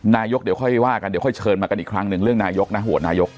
นายกเดี๋ยวค่อยว่ากันเดี๋ยวค่อยเชิญมากันอีกครั้งหนึ่งเรื่องนายกนะโหวตนายก